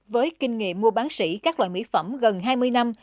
với kinh nghiệm mua bán sĩ các loại mỹ phẩm gần hai mươi năm